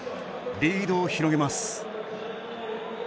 リードを広げます。